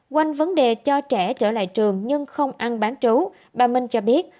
quanh vấn đề cho trẻ trở lại trường nhưng không ăn bán trú bà minh cho biết